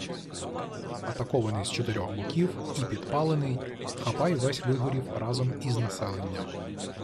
Атакований з чотирьох боків і підпалений, Хапай весь вигорів разом із населенням